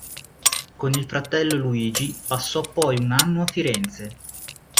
Con il fratello Luigi passò poi un anno a Firenze.